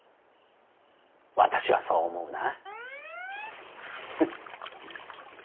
私はそう思うな。